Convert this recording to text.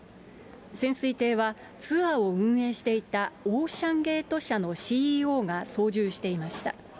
潜水艇はツアーを運営していたオーシャンゲート社のＣＥＯが操縦していました。